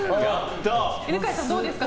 犬飼さん、どうですか？